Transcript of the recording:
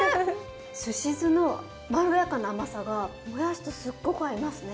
すし酢のまろやかな甘さがもやしとすっごく合いますね。